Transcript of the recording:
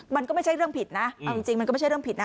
มันก็ไม่ใช่เรื่องผิดนะเอาจริงมันก็ไม่ใช่เรื่องผิดนะ